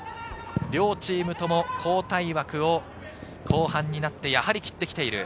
両チームとも交代枠を後半になって、やはり切ってきています。